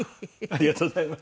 ありがとうございます。